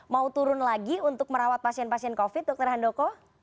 mau turun lagi untuk merawat pasien pasien covid dokter handoko